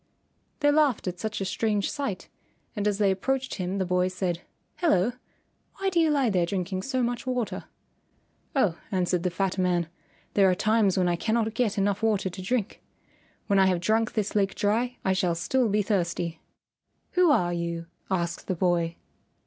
They laughed at such a strange sight, and as they approached him the boy said, "Hello! Why do you lie there drinking so much water?" "Oh," answered the fat man, "there are times when I cannot get enough water to drink. When I have drunk this lake dry I shall still be thirsty." "Who are you?" asked the boy.